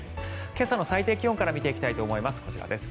今朝の最低気温から見ていきたいと思います。